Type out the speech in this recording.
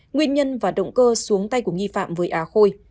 nguyên nhân và động cơ xuống tay của nghi phạm với á khôi